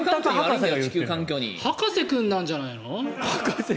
はかせ君なんじゃないの？